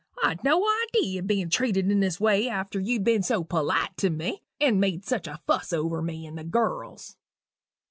I'd no idee of being treated in this way after you'd been so polite to me, and made such a fuss over me and the girls."